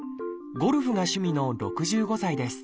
ゴルフが趣味の６５歳です。